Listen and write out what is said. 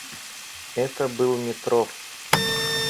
Это был Метров.